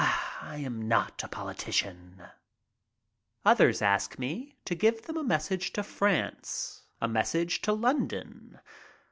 "I am not a politician." Others ask me to give them a message to France. A message to London.